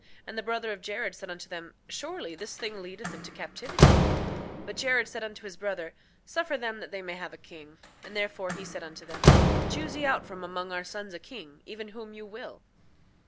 And the brother of Jared said unto them: Surely this thing leadeth into captivity. 6:24 But Jared said unto his brother: Suffer them that they may have a king. And therefore he said unto them: Choose ye out from among our sons a king, even whom ye will.